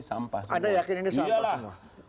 ada yakin ini sampah semua